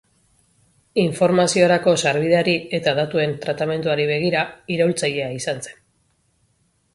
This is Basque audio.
Informaziorako sarbideari eta datuen tratamenduari begira, iraultzailea izan zen.